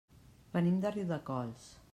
Venim de Riudecols.